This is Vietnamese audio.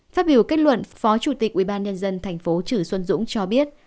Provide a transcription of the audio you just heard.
phát biểu kết luận phó chủ tịch ubnd tp chử xuân dũng cho biết